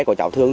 của chảo thương